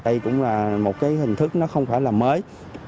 đây cũng là một cái hình thức nó không phải là mới